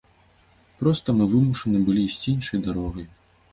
Проста мы вымушаны былі ісці іншай дарогай.